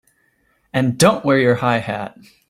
And don't wear your high hat!